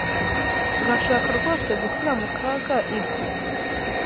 Urashaka rwose gushyira mu kaga ibyo?